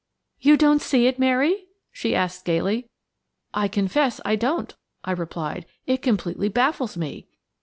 "You don't see it, Mary?" she asked gaily. "I confess I don't," I replied. "It completely baffles me."